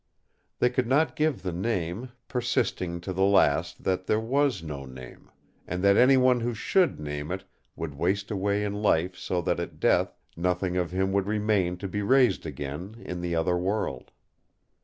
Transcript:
They could not give the name, persisting to the last that there was no name; and that anyone who should name it would waste away in life so that at death nothing of him would remain to be raised again in the Other World.